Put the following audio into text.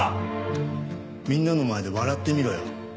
みんなの前で笑ってみろよ。